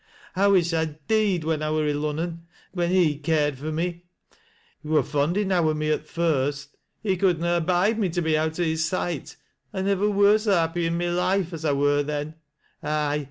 I wish I'd deed when I wui 1' Lunnon — when he cared fur no. He wor fond enow o' me at th' first. He could na abide me to be out o' his iight. I nivver wur so happy i' my life as I wur then A.ye!